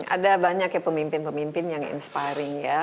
ada banyak ya pemimpin pemimpin yang inspiring ya